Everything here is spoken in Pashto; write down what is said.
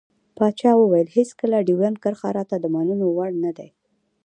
پاچا وويل هېڅکله ډيورند کرښه راته د منلو وړ نه دى.